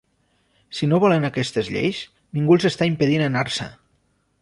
Si no volen aquestes lleis, ningú els està impedint anar-se.